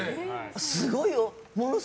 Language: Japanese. すごいよ。